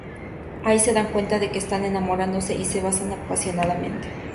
Ahí se dan cuenta de que están enamorándose y se besan apasionadamente.